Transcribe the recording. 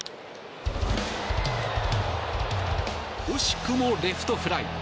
惜しくもレフトフライ。